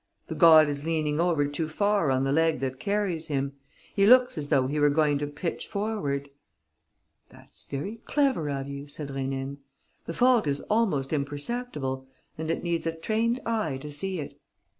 The god is leaning over too far on the leg that carries him. He looks as though he were going to pitch forward." "That's very clever of you," said Rénine. "The fault is almost imperceptible and it needs a trained eye to see it.